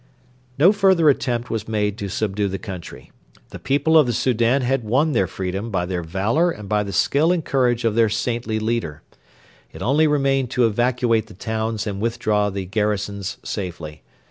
No further attempt was made to subdue the country. The people of the Soudan had won their freedom by their valour and by the skill and courage of their saintly leader. It only remained to evacuate the towns and withdraw the garrisons safely.